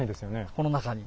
この中に。